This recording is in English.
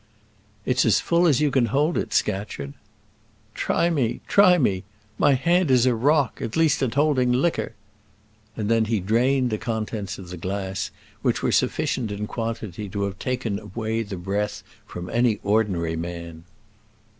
"It's as full as you can hold it, Scatcherd." "Try me; try me! my hand is a rock; at least at holding liquor." And then he drained the contents of the glass, which were sufficient in quantity to have taken away the breath from any ordinary man.